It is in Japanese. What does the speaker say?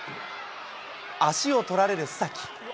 足を取られる須崎。